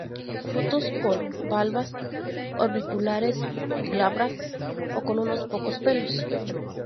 Frutos con valvas orbiculares, glabras o con unos pocos pelos.